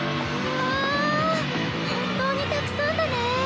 本当にたくさんだねえ。